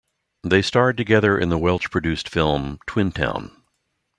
They starred together in the Welsh-produced film "Twin Town".